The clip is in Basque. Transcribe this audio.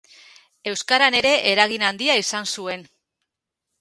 Euskaran ere eragin handia izan zuen.